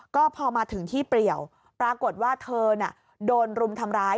ก็พอมาถึงที่เปรียวปรากฏว่าเธอน่ะโดนรุมทำร้าย